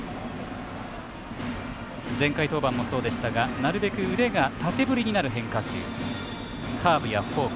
前回登板もそうでしたがなるべく腕が縦振りになるというフォーム。